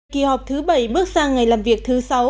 kỳ họp thứ bảy bước sang ngày làm việc thứ sáu